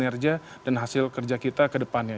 adalah dengan kinerja dan hasil kerja kita ke depannya